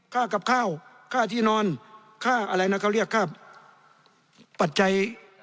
ค่ากับข้าวค่าที่นอนค่าอะไรนะเขาเรียกค่าปัจจัย